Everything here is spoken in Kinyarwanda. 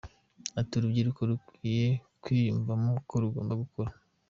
Ati “Urubyiruko rukwiye kwiyumvamo ko rugomba gukora